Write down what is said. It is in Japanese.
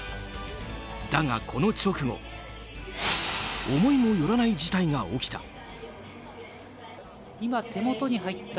だが、この直後思いもよらない事態が起きた。